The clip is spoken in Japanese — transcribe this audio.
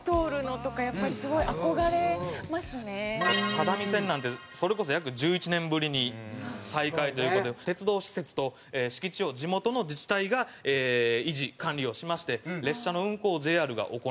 只見線なんてそれこそ約１１年ぶりに再開という事で鉄道施設と敷地を地元の自治体が維持管理をしまして列車の運行をＪＲが行うと。